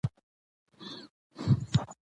افغانستان په سلیمان غر غني دی.